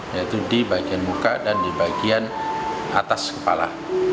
yaitu di bagian muka dan di bagian atas kepala